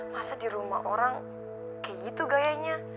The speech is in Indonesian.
masa di rumah orang kayak gitu gayanya